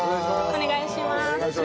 お願いします。